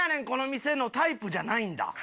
この店！のタイプじゃないんだ。